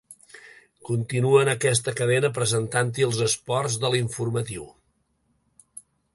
Continuà en aquesta cadena presentant-hi els esports de l'informatiu.